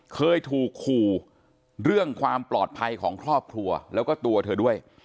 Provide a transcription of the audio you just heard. เคยถูกขู่เรื่องความปลอดภัยของครอบครัวแล้วก็ตัวเธอด้วย